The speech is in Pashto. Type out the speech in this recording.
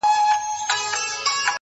؛هغه دي اوس له ارمانونو سره لوبي کوي؛